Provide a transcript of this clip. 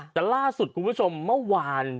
แต่ล่าสุดคุณผู้ชมเมื่อวาน